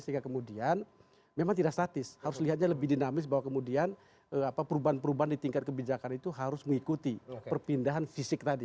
sehingga kemudian memang tidak statis harus lihatnya lebih dinamis bahwa kemudian perubahan perubahan di tingkat kebijakan itu harus mengikuti perpindahan fisik tadi